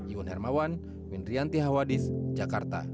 iwan hermawan windrianti hawadis jakarta